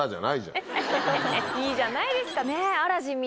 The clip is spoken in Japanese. いいじゃないですかねぇ。